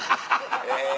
え